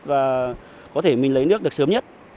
và có thể mình lấy nước được sớm nhất